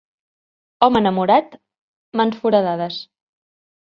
Home enamorat, mans foradades.